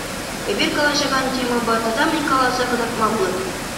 Эпир калаҫакан темӑпа тата мӗн каласа кӑтартма пулать?